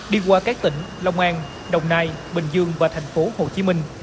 đi qua các tỉnh long an đồng nai bình dương và thành phố hồ chí minh